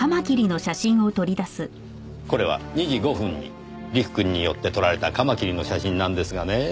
これは２時５分に陸くんによって撮られたカマキリの写真なんですがね